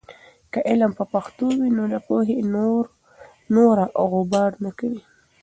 که علم په پښتو وي، نو د پوهې نوره غبار نه وي.